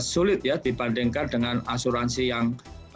sulit ya dibandingkan dengan asuransi yang